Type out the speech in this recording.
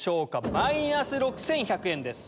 マイナス６１００円です。